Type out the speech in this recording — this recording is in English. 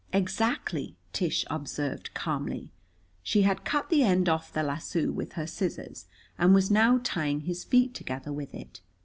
"Exactly," Tish observed calmly. She had cut the end off the lasso with her scissors, and was now tying his feet together with it.